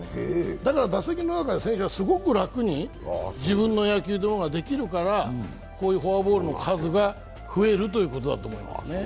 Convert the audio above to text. だから打席の中の選手はすごく楽に自分の野球ができるからこういうフォアボールの数が増えるということだと思います。